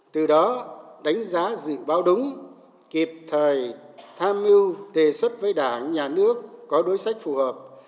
từ đó đánh giá dự báo đúng kịp thời tham mưu đề xuất với đảng nhà nước có đối sách phù hợp